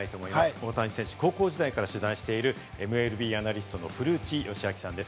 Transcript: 大谷選手を高校時代から取材しているＭＬＢアナリストの古内義明さんです。